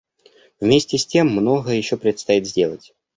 Вместе с тем многое еще предстоит сделать.